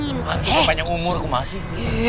hantu yang panjang umur aku makasih